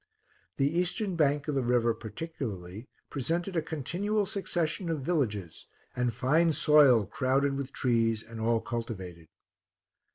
The eastern bank of the river, particularly, presented a continual succession of villages, and fine soil crowded with trees, and all cultivated.